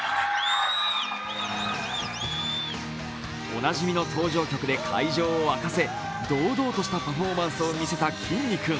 おなじみの登場曲で会場を沸かせ堂々としたパフォーマンスを見せたきんに君。